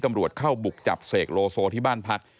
ตำรวจเข้าบุกจับเสกโลโซที่บ้านพัก